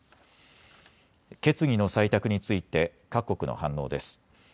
決議の採択について各国の反応です。